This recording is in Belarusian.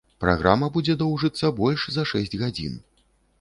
Праграма будзе доўжыцца больш за шэсць гадзін.